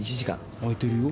空いてるよ。